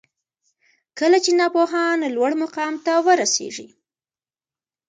کله چي ناپوهان لوړ مقام ته ورسیږي